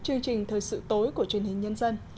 chương trình thời sự tối của truyền hình nhân dân